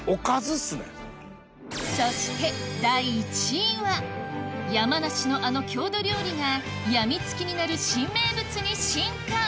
そして山梨のあの郷土料理が病みつきになる新名物に進化えっ。